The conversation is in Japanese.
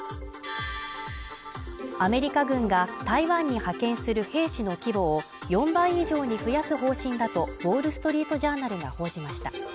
アメリカ軍が台湾に派遣する兵士の規模を４倍以上に増やす方針だと、「ウォール・ストリート・ジャーナル」が報じました。